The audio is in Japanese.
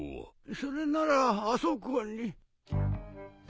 それならあそこに。